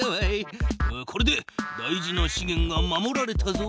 これで大事なしげんが守られたぞ。